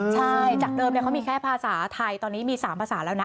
ใช่จากเดิมเขามีแค่ภาษาไทยตอนนี้มี๓ภาษาแล้วนะ